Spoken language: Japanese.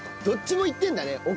どっちもいってるんだね